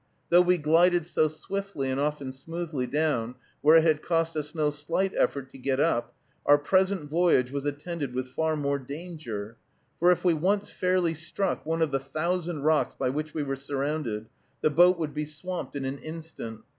Though we glided so swiftly, and often smoothly, down, where it had cost us no slight effort to get up, our present voyage was attended with far more danger; for if we once fairly struck one of the thousand rocks by which we were surrounded, the boat would be swamped in an instant.